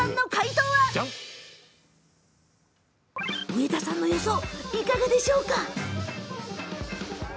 植田さんの予想いかがでしょうか。